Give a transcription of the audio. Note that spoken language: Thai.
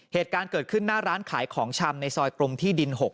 เหตุการณ์เกิดขึ้นหน้าร้านขายของชำในซอยกรมที่ดิน๖